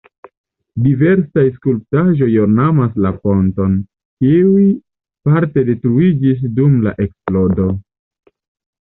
Diversaj skulptaĵoj ornamas la ponton, kiuj parte detruiĝis dum la eksplodo.